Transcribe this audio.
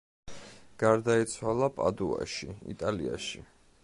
გარდაიცვალა პადუაში, იტალიაში.